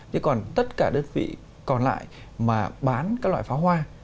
chứ còn tất cả đơn vị còn lại mà bán các loại pháo hoa